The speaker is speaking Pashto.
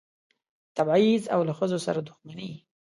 تبعیض او له ښځو سره دښمني.